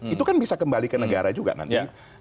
itu kan bisa kembali ke negara juga nanti